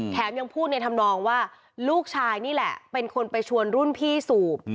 ยังพูดในธรรมนองว่าลูกชายนี่แหละเป็นคนไปชวนรุ่นพี่สูบ